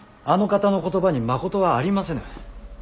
あの方の言葉にまことはありませぬ。